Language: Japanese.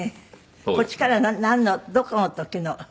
こっちからなんのどこの時のですか？